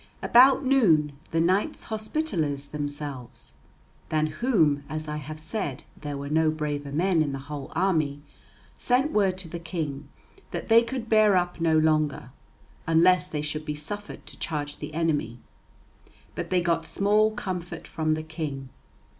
About noon the Knights Hospitallers themselves, than whom, as I have said, there were no braver men in the whole army, sent word to the King that they could bear up no longer, unless they should be suffered to charge the enemy. But they got small comfort from the King.